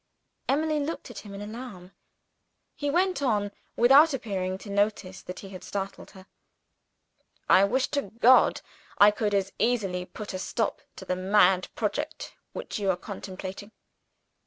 Emily looked at him in alarm. He went on without appearing to notice that he had startled her. "I wish to God I could as easily put a stop to the mad project which you are contemplating."